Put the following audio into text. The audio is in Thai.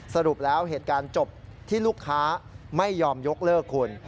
สรุปแล้วเหตุการณ์จบที่ลูกค้าไม่ยอมยกเลิกคุณ